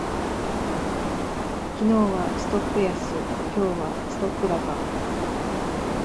昨日はストップ安、今日はストップ高